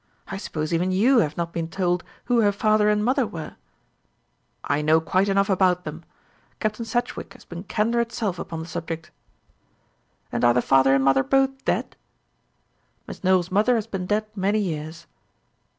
I suppose even you have not been told who her father and mother were." "I know quite enough about them. Captain Sedgewick has been candour itself upon the subject." "And are the father and mother both dead?" "Miss Nowell's mother has been dead many years."